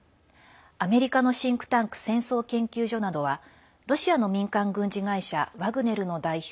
アメリカのシンクタンク戦争研究所などはロシアの民間軍事会社ワグネルの代表